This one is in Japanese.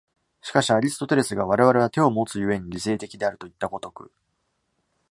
しかしアリストテレスが我々は手をもつ故に理性的であるといった如く